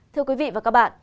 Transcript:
thưa quý vị và các bạn